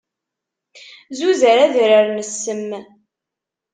Zuzer adrar n ssem.